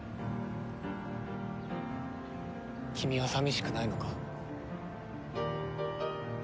君は寂しくないのか？